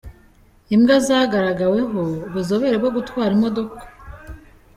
Imbwa zagaragaweho ubuzobere mu gutwara imodoka